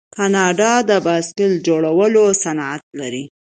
کاناډا د بایسکل جوړولو صنعت لري.